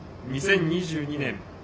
２０２２年